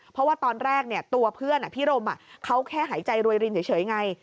เพราะว่าตอนแรกตัวเพื่อนพี่รมเขาแค่หายใจรวยรินเฉยไง